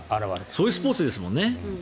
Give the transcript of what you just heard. そういうスポーツですもんね。